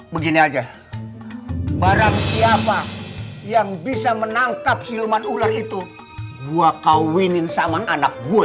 begini aja barang siapa yang bisa menangkap silman ular itu gua kawinin saman anak gue